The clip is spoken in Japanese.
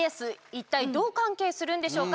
一体どう関係するんでしょうか。